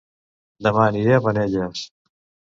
Dema aniré a Penelles